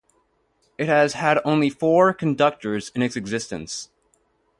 It has had only four conductors in its existence.